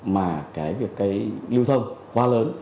mà cái việc cái lưu thông quá lớn